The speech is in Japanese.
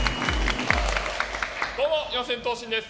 どうも、四千頭身です。